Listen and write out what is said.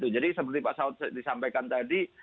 jadi seperti pak saud disampaikan tadi